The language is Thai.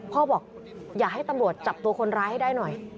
บอกอยากให้ตำรวจจับตัวคนร้ายให้ได้หน่อย